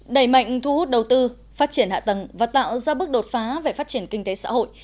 đẩy mạnh thu hút đầu tư phát triển hạ tầng và tạo ra bước đột phá về phát triển kinh tế xã hội